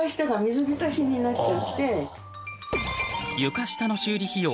床下の修理費用